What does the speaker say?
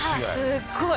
すっごい